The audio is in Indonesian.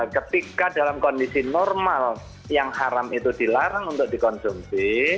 ketika dalam kondisi normal yang haram itu dilarang untuk dikonsumsi